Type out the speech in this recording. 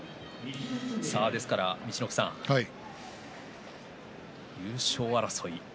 ですから陸奥さん、優勝争い